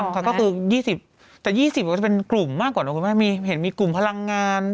ก็คือ๒๐แต่๒๐ก็จะเป็นกลุ่มมากกว่ามีกลุ่มพลังงาน